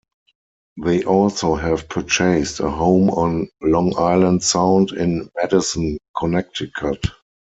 They also have purchased a home on Long Island Sound in Madison, Connecticut.